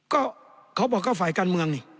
ก็เขาบอกก็ฝ่ายการเมืองนี่